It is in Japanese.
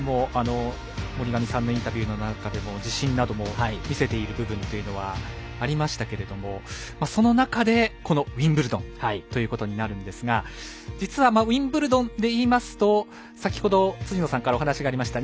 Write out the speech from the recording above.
本人も森上さんのインタビューの中でも自信なども見せている部分というのはありましたけどその中でウィンブルドンということになるんですが実はウィンブルドンで言いますと先ほど、辻野さんからお話がありました